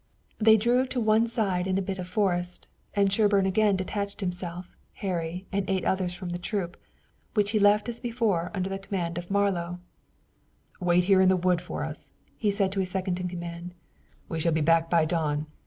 They drew to one side in a bit of forest, and Sherburne again detached himself, Harry and eight others from the troop, which he left as before under the command of Marlowe. "Wait here in the wood for us," he said to his second in command. "We should be back by dawn.